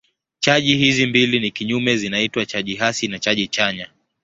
Chaji hizi mbili ni kinyume zinaitwa chaji hasi na chaji chanya.